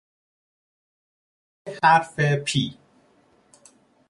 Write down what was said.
انحنای حرف P